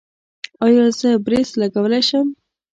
ایا زه برېس لګولی شم؟